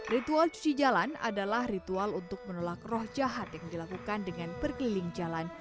ritual cuci jalan adalah ritual untuk menolak roh jahat yang dilakukan dengan berkeliling jalan